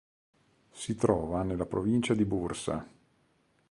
Si trova nella provincia di Bursa.